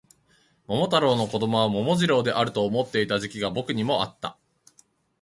桃太郎の子供は桃次郎であると思っていた時期が僕にもあった